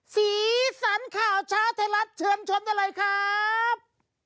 สีสันข่าวเช้าไทยรัฐเชิญชมได้เลยครับ